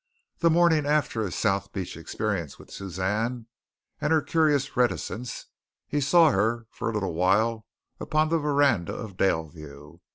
The morning after his South Beach experience with Suzanne and her curious reticence, he saw her for a little while upon the veranda of Daleview.